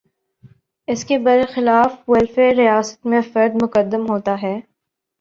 اس کے برخلاف ویلفیئر ریاست میں فرد مقدم ہوتا ہے۔